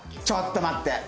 ちょっと待って！